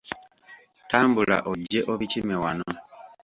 Tambula ojje obikime wano.